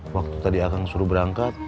waktu tadi akan suruh berangkat